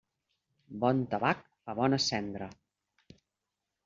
Bon tabac fa bona cendra.